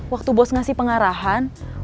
waktu bos ngasih pengarahan